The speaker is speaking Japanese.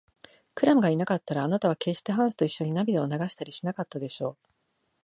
クラムがいなかったら、あなたはけっしてハンスといっしょに涙を流したりしなかったでしょう。